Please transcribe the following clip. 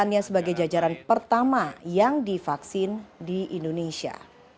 bukannya sebagai jajaran pertama yang divaksin di indonesia